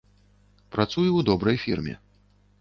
Працую ў добрай фірме.